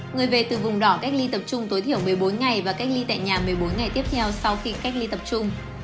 người về từ vùng đỏ cách ly tập trung tối thiểu một mươi bốn ngày và cách ly tại nhà một mươi bốn ngày tiếp theo sau khi cách ly tập trung